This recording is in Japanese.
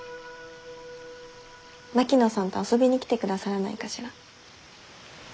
槙野さんと遊びに来てくださらないかしら？